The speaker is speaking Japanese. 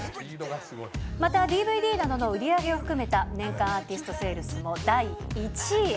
また、ＤＶＤなどの売り上げを含めた年間アーティストセールスも第１位。